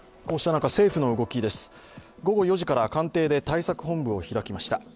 午後４時から官邸で対策本部を開きました。